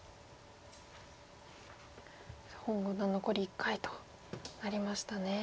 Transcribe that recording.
洪五段残り１回となりましたね。